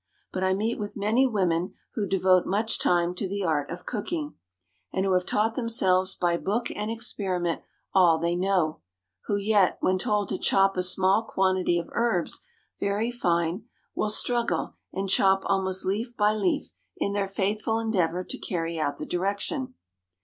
But I meet with many women who devote much time to the art of cooking, and who have taught themselves by book and experiment all they know, who yet, when told to chop a small quantity of herbs very fine, will struggle and chop almost leaf by leaf in their faithful endeavor to carry out the direction.